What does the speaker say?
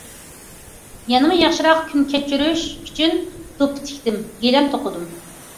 يەنىمۇ ياخشىراق كۈن كەچۈرۈش ئۈچۈن دوپپا تىكتىم، گىلەم توقۇدۇم.